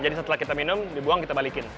jadi setelah kita minum dibuang kita balikin